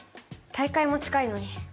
大会も近いのに。